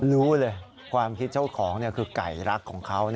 รู้เลยความคิดเจ้าของคือไก่รักของเขา